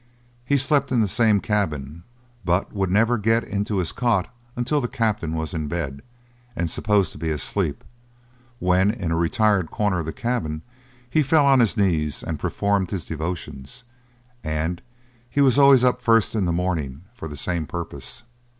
He slept in the same cabin, but would never get into his cot until the captain was in bed, and supposed to be asleep, when, in a retired corner of the cabin, he fell on his knees and performed his devotions; and he was always up first in the morning for the same purpose.